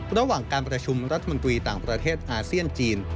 ระหว่างการประชุมรัฐมนตรีต่างประเทศอาเซียนจีน